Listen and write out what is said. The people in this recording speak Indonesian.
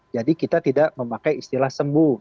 jadi kita tidak memakai istilah sembuh